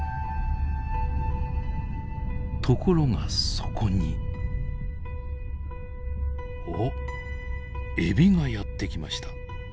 ところがそこにおっエビがやって来ました。